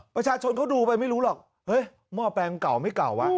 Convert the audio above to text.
ประชาชนเขาดูไปไม่รู้หรอกเฮ้ยหม้อแปลงเก่าไม่เก่าวะ